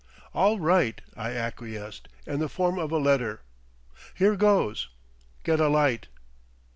"All right," I acquiesced, "in the form of a letter. Here goes! Get a light!"